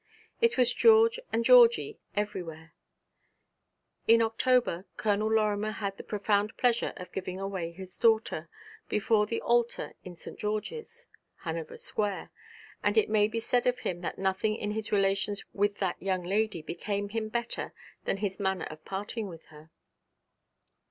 It was George and Georgie everywhere. In October Colonel Lorimer had the profound pleasure of giving away his daughter, before the altar in St. George's, Hanover Square, and it may be said of him that nothing in his relations with that young lady became him better than his manner of parting with her.